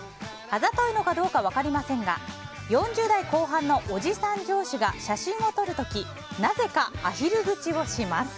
あざといのかどうか分かりませんが４０代後半のおじさん上司が写真を撮る時なぜかアヒル口をします。